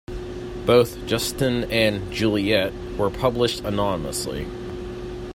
Both "Justine" and "Juliette" were published anonymously.